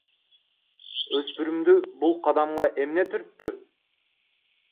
Өспүрүмдү бул кадамга эмне түрттү?